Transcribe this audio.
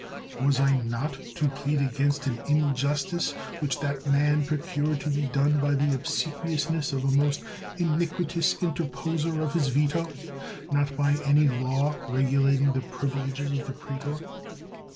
Was I not to plead against an injustice which that man procured to be done by the obsequious ness of a most iniquitous interposer of his veto, not by any law regulating the privileges of the pretor?